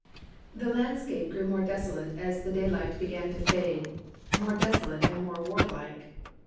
The landscape grew more desolate as the daylight began to fade, more desolate and more warlike.